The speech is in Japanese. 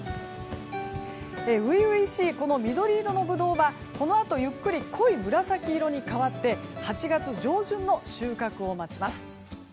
初々しいこの緑色のブドウはこのあとゆっくり濃い紫色に変わって８月上旬の収穫を待ちます。